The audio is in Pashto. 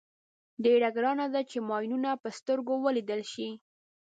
ډېره ګرانه ده چې ماینونه په سترګو ولیدل شي.